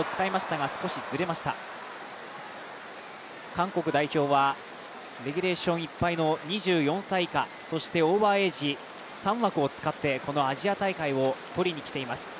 韓国代表はレギュレーションいっぱいの２４歳以下そしてオーバーエイジ３枠を使ってこのアジア大会を取りに来ています。